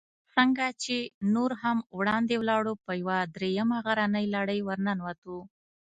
څنګه چې نور هم وړاندې ولاړو، په یوه درېیمه غرنۍ لړۍ ورننوتو.